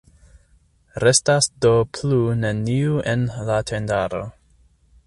Restas do plu neniu en la tendaro!